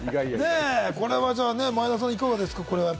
前田さん、いかがですか？